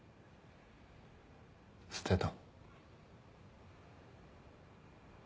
捨てた。